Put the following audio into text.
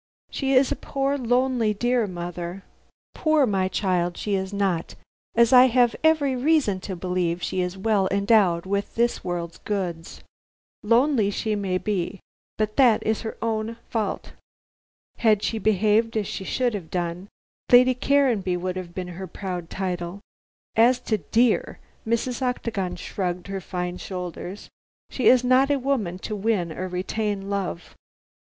"She is a poor, lonely dear, mother." "Poor, my child, she is not, as I have every reason to believe she is well endowed with this world's goods. Lonely she may be, but that is her own fault. Had she behaved as she should have done, Lady Caranby would have been her proud title. As to dear," Mrs. Octagon shrugged her fine shoulders, "she is not a woman to win or retain love.